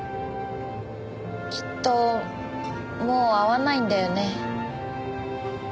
きっともう会わないんだよね？